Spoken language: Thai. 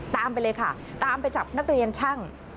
ไปเลยค่ะตามไปจับนักเรียนช่าง